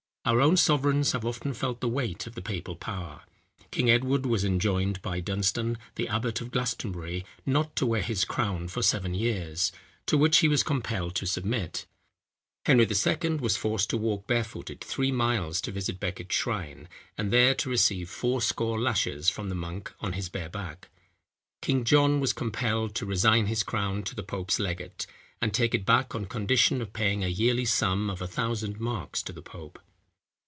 Our own sovereigns have often felt the weight of the papal power. King Edgar was enjoined by Dunstan, the abbot of Glastonbury, not to wear his crown for seven years, to which he was compelled to submit. Henry II. was forced to walk barefooted three miles to visit Becket's shrine, and there to receive fourscore lashes from the monks on his bare back. King John was compelled to resign his crown to the pope's legate, and take it back on condition of paying a yearly sum of a thousand marks to the pope.